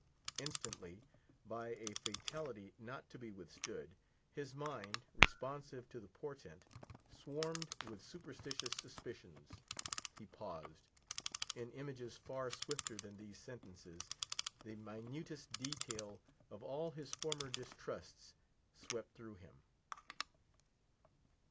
Instantly, by a fatality not to be withstood, his mind, responsive to the portent, swarmed with superstitious suspicions. He paused. In images far swifter than these sentences, the minutest details of all his former distrusts swept through him.